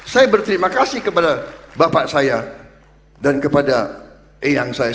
saya berterima kasih kepada bapak saya dan kepada eyang saya